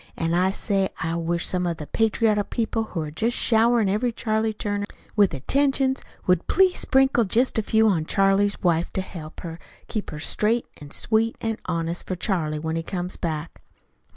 An' I say I wish some of the patriotic people who are jest showerin' every Charlie Turner with attentions would please sprinkle jest a few on Charlie's wife, to help keep her straight an' sweet an' honest for Charlie when he comes back."